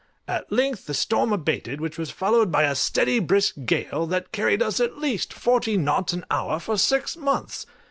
At length the storm abated, which was followed by a steady, brisk gale, that carried us at least forty knots an hour for six months!